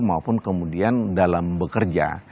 maupun kemudian dalam bekerja